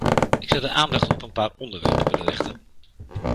Ik zou de aandacht op een paar onderwerpen willen richten.